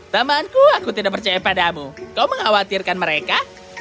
temanku aku tidak percaya padamu kau mengkhawatirkan mereka